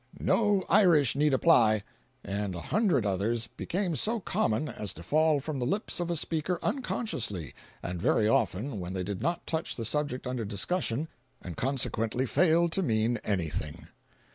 "No Irish need apply," and a hundred others, became so common as to fall from the lips of a speaker unconsciously—and very often when they did not touch the subject under discussion and consequently failed to mean anything.